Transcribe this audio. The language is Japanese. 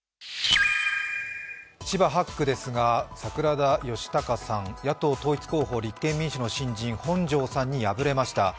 千葉８区ですが桜田義孝さん、党統一候補、立憲民主の新人本庄さんに敗れました。